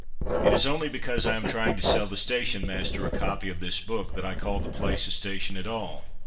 It is only because I am trying to sell the "station master" a copy of this book that I call the place a station at all.